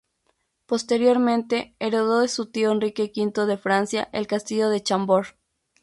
Posteriormente heredó de su tío Enrique V de Francia el Castillo de Chambord.